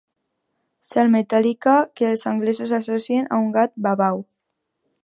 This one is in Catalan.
Sal metàl·lica que els anglesos associen a un gat babau.